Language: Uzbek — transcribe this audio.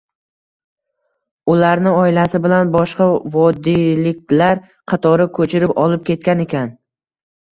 ularni oilasi bilan boshqa vodilliklar qatori ko’chirib, olib ketgan ekan.